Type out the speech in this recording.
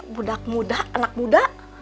budak muda anak muda